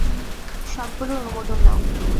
সবগুলোর অনুমোদন নাও।